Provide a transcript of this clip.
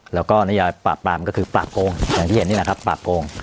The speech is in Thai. แล้วก็นิยาปราบปรามก็คือปราบโกงอย่างที่เห็นนี่แหละครับปราบโกง